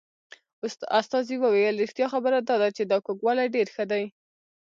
استازي وویل رښتیا خبره دا ده چې دا کوږوالی ډېر ښه دی.